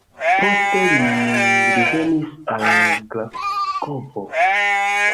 Poste li revenis al Glasgovo.